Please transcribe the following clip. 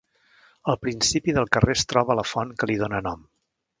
Al principi del carrer es troba la font que li dóna nom.